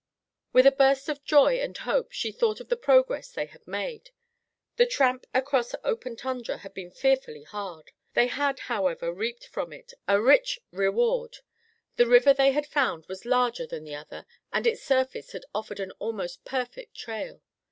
With a burst of joy and hope she thought of the progress they had made. The tramp across open tundra had been fearfully hard. They had, however, reaped from it a rich reward; the river they had found was larger than the other and its surface had offered an almost perfect trail.